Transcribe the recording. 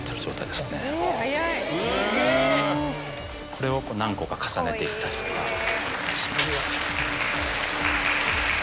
これを何個か重ねていったりとかします。